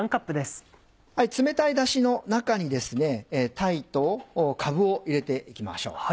冷たいダシの中にですね鯛とかぶを入れて行きましょう。